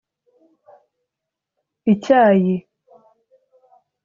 icyayi